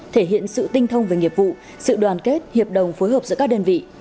thể hiện sự tinh thông về nghiệp vụ sự đoàn kết hiệp đồng phối hợp giữa các đơn vị